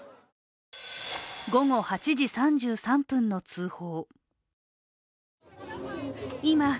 午後８時３３分の通報。